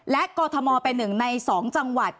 และกรทมเป็นหนึ่งใน๒จังหวัด